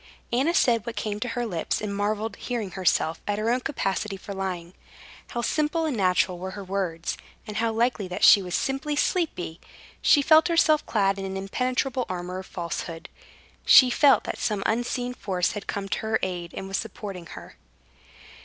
Anna said what came to her lips, and marveled, hearing herself, at her own capacity for lying. How simple and natural were her words, and how likely that she was simply sleepy! She felt herself clad in an impenetrable armor of falsehood. She felt that some unseen force had come to her aid and was supporting her.